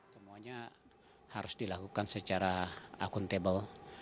semuanya harus dilakukan secara akuntabel